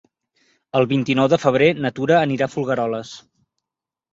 El vint-i-nou de febrer na Tura anirà a Folgueroles.